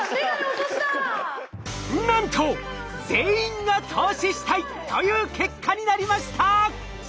なんと全員が投資したいという結果になりました！